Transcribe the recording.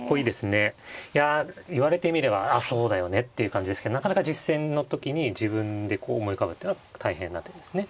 いや言われてみればああそうだよねっていう感じですけどなかなか実戦の時に自分でこう思い浮かぶっていうのは大変な手ですね。